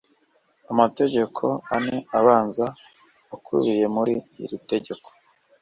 Amategeko ane abanza akubiye muri iri tegeko